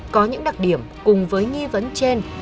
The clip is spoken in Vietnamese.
có những đặc điểm cùng với nghi vấn trên